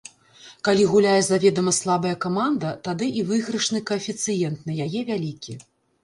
Калі гуляе заведама слабая каманда, тады і выйгрышны каэфіцыент на яе вялікі.